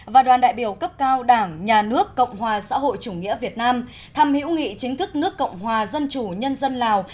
và đoàn đại biểu cấp cao đảng nhà nước cộng hòa xã hội chủ nghĩa việt nam thăm hữu nghị chính thức nước cộng hòa dân chủ nhân dân lào